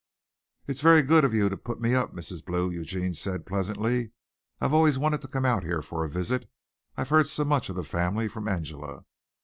"It's very good of you to put me up, Mrs. Blue," Eugene said pleasantly. "I've always wanted to come out here for a visit I've heard so much of the family from Angela."